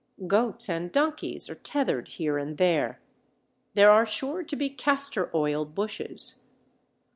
Goats and donkeys are tethered here and there. There are sure to be castor oil bushes.